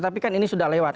tapi kan ini sudah lewat